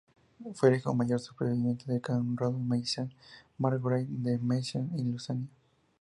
Fue el hijo mayor superviviente de Conrado de Meissen, margrave de Meissen y Lusacia.